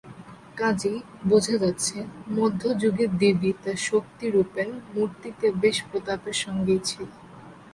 কাজেই বোঝা যাচ্ছে, মধ্যযুগে দেবী তাঁর শক্তিরূপেণ মূর্তিতে বেশ প্রতাপের সঙ্গেই ছিলেন।